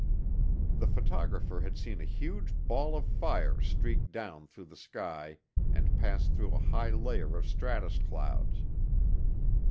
The photographer had seen a huge ball of fire streak down through the sky and pass through a high layer of stratus clouds.